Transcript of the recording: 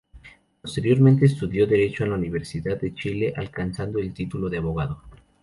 Posteriormente estudió derecho en la Universidad de Chile, alcanzando el título de abogado.